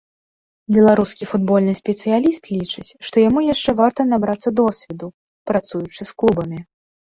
Беларускі футбольны спецыяліст лічыць, што яму яшчэ варта набрацца досведу, працуючы з клубамі.